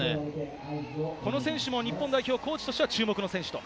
この選手も日本代表コーチとしては注目の選手と。